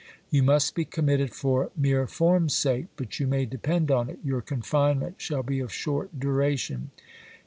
You must be committed for mere form's sake ; but you may depend on it, your confinement shall be of short duration.